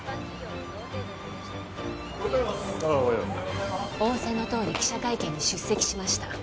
おはよう仰せのとおり記者会見に出席しました